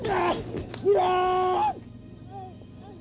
kalimudir menang jauh